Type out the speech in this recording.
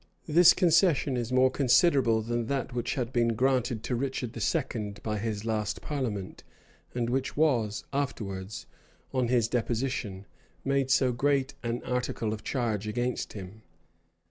This concession is more considerable than that which had been granted to Richard II. by his last parliament and which was afterwards, on his deposition, made so great an article of charge against him.